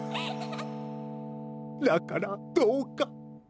だからどうか。